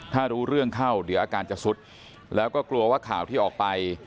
ถ้ารู้เรื่องเข้าเดี๋ยวอาการจะสุดแล้วก็กลัวว่าข่าวที่ออกไป